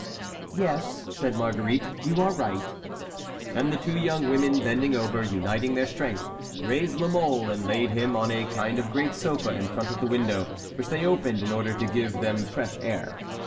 "Yes," said Marguerite, "you are right." And the two women, bending over, uniting their strength, raised La Mole, and laid him on a kind of great sofa in front of the window, which they opened in order to give them fresh air.